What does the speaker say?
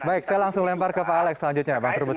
baik saya langsung lempar ke pak alex selanjutnya pak trubus